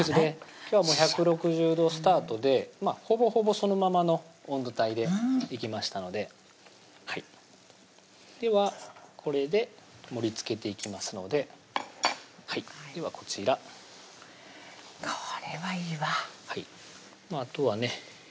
今日は１６０度スタートでほぼほぼそのままの温度帯でいきましたのでではこれで盛りつけていきますのでではこちらこれはいいわはいあとはね